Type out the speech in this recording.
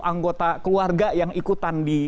anggota keluarga yang ikutan di